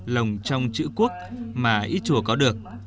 lồng trong chữ quốc mà ít chùa có được